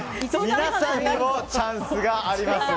皆さんにもチャンスがあります。